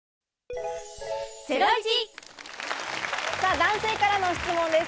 男性からの質問です。